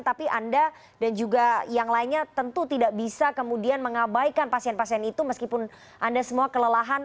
tapi anda dan juga yang lainnya tentu tidak bisa kemudian mengabaikan pasien pasien itu meskipun anda semua kelelahan